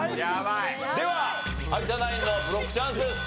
では有田ナインのブロックチャンスです。